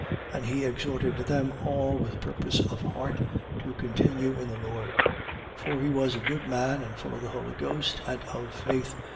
And he exhorted them all with purpose of heart to continue in the Lord. 11:24. For he was a good man and full of the Holy Ghost and of faith.